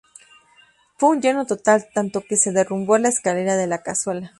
Fue un lleno total, tanto que se derrumbó la escalera de la cazuela.